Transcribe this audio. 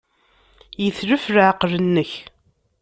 Yetlef leɛqel-nnek.